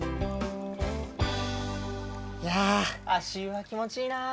いや足湯はきもちいいなあ！